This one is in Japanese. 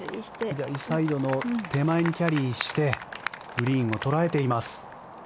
左サイドの手前にキャリーしてグリーンを捉えています。